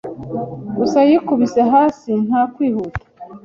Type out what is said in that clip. Gusa yikubise hasi nta kwihuta